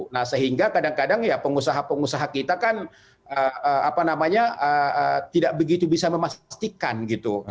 nah sehingga kadang kadang ya pengusaha pengusaha kita kan apa namanya tidak begitu bisa memastikan gitu